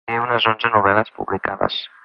Té unes onze novel·les publicades.